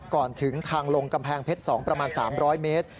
ก่อนถึงทางลงกำแพงเพชร๒ประมาณ๓๐๐เมตร